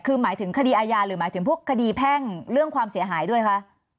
คือหมายถึงคดีอาญาหรือหมายถึงพวกคดีแพ่งเรื่องความเสียหายด้วยคะ